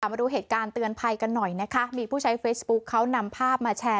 มาดูเหตุการณ์เตือนภัยกันหน่อยนะคะมีผู้ใช้เฟซบุ๊คเขานำภาพมาแชร์